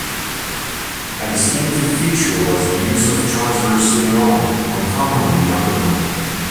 A distinctive feature was the use of transverse seating only, uncommon on the Underground.